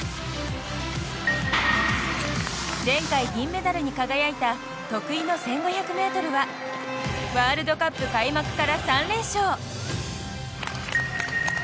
前回、銀メダルに輝いた得意の１５００ｍはワールドカップ開幕から３連勝。